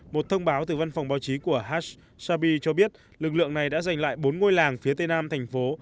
một thông báo từ văn phòng báo chí của hash sabi cho biết lực lượng này đã giành lại bốn ngôi làng phía tây nam thành phố